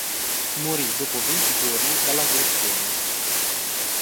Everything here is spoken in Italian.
Morì dopo venti giorni dall'aggressione.